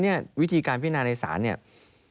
เพราะฉะนั้นวิธีการพิจารณาในศาล